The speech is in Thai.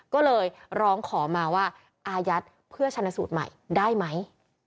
ก็เลยร้องขอมาว่าอายัดเพื่อชนะสูตรใหม่ได้ไหม